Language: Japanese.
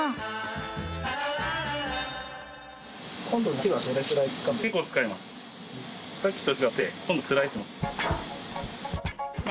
今度梨はどれくらい使うんですか？